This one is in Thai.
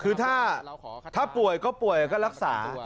คือถ้าป่วยก็ป่วยก็รักษา